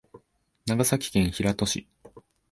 長崎県平戸市